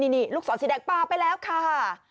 นี่ลูกศรสีแดงปลาไปแล้วค่ะ